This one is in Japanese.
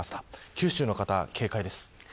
九州の方、警戒です。